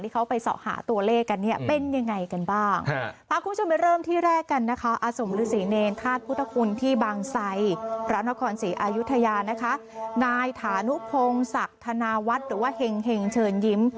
วิทยานะคะนายถานุพงศ์ศักดิ์ธนาวัดหรือว่าเฮงเฮงเชิญยิ้ม